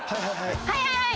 「はいはいはい！」。